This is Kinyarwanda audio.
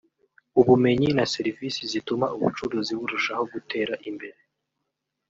ubumenyi na serivisi zituma ubucuruzi burushaho gutera imbere